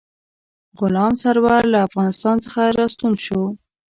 غلام سرور له افغانستان څخه را ستون شو.